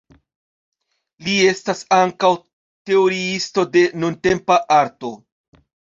Li estas ankaŭ teoriisto de nuntempa arto.